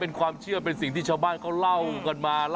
เป็นความเชื่อเป็นสิ่งที่ชาวบ้านเขาเล่ากันมา